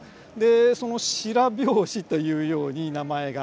その白拍子というように名前が。